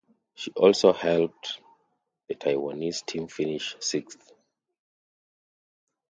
She also helped the Taiwanese team finish sixth.